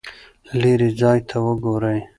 لیرې ځای ته وګورئ.